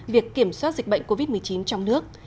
việc kiểm soát dịch bệnh covid một mươi chín trong nước